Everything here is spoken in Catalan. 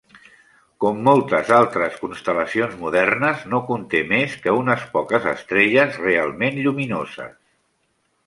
Com moltes altres constel·lacions modernes no conté més que unes poques estrelles realment lluminoses.